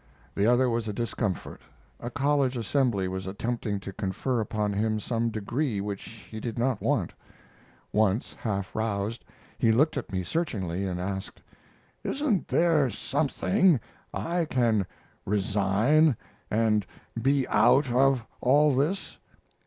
The other was a discomfort: a college assembly was attempting to confer upon him some degree which he did not want. Once, half roused, he looked at me searchingly and asked: "Isn't there something I can resign and be out of all this?